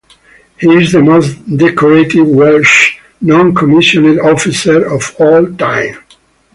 He is the most decorated Welsh non-commissioned officer of all time.